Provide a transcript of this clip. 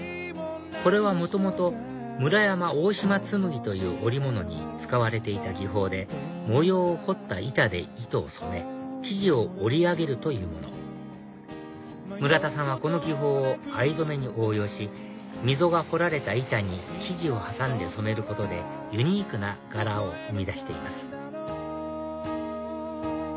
これは元々村山大島紬という織物に使われていた技法で模様を彫った板で糸を染め生地を織り上げるというもの村田さんはこの技法を藍染めに応用し溝が彫られた板に生地を挟んで染めることでユニークな柄を生み出しています